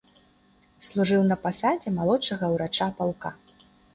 Служыў на пасадзе малодшага ўрача палка.